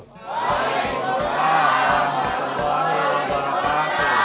waalaikumsalam warahmatullahi wabarakatuh